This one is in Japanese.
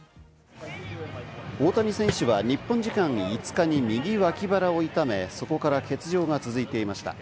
大谷選手は日本時間５日に右脇腹を痛め、そこから欠場が続いていました。